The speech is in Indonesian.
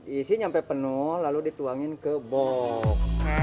isinya sampai penuh lalu dituangin ke box